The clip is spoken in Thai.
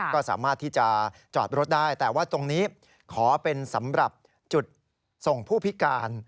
ก็สามารถที่จะจอดรถได้แต่ว่าตรงนี้ขอเป็นสำหรับจุดส่งผู้พิการ